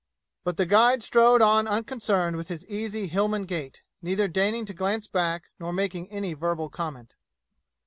But the guide strode on unconcerned with his easy Hillman gait, neither deigning to glance back nor making any verbal comment.